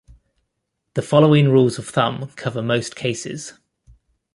The following rules of thumb cover most cases.